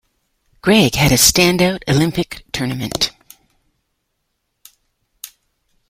Craig had a standout Olympic tournament.